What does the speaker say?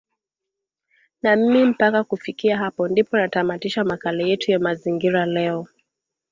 na mimi mpaka kufikia hapo ndipo natamatisha makala yetu ya mazingira leo